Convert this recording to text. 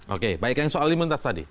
oke baik yang soal limantas tadi